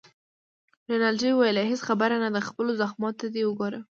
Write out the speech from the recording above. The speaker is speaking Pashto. رینالډي وویل: هیڅ خبره نه ده، خپلو زخمو ته دې وګوره.